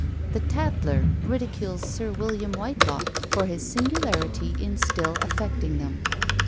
The Tatler ridicules Sir William Whitelocke for his singularity in still affecting them.